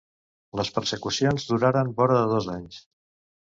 Les persecucions duraren vora de dos anys.